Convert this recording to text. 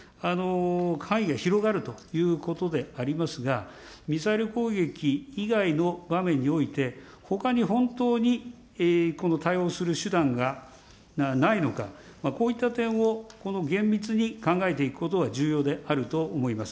範囲が広がるということでありますが、ミサイル攻撃以外の場面において、ほかに本当にこの対応する手段がないのか、こういった点をこの厳密に考えていくことが重要であると思います。